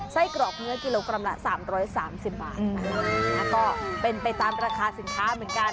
กรอกเนื้อกิโลกรัมละสามร้อยสามสิบบาทค่ะก็เป็นไปตามราคาสินค้าเหมือนกัน